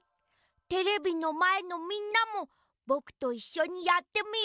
テレビのまえのみんなもぼくといっしょにやってみよう。